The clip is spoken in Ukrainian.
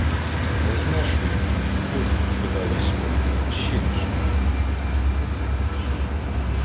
— Не з нашої вини й хоті покидали смо племінщину свою. Готи...